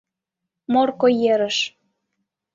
— Морко ерыш.